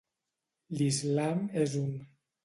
L'Islam és un.